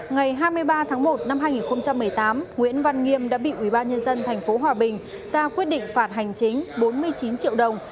ngày hai mươi ba tháng một năm hai nghìn một mươi tám nguyễn văn nghiêm đã bị ubnd tp hòa bình ra quyết định phạt hành chính bốn mươi chín triệu đồng